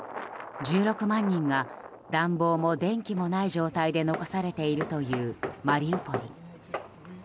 １６万人が暖房も電気もない状態で残されているというマリウポリ。